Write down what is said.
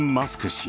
氏。